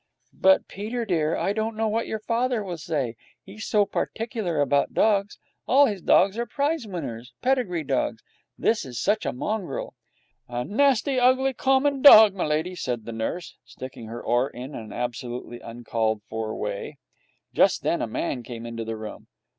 'But, Peter, dear, I don't know what your father will say. He's so particular about dogs. All his dogs are prize winners, pedigree dogs. This is such a mongrel.' 'A nasty, rough, ugly, common dog, m'lady,' said the nurse, sticking her oar in in an absolutely uncalled for way. Just then a man came into the room.